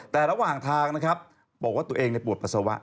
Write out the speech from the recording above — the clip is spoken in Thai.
แต่ระหว่างทางนะครับบอกว่าตัวเองปวดปัสสาวะ